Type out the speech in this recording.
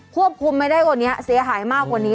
คุมไม่ได้วันนี้เสียหายมากกว่านี้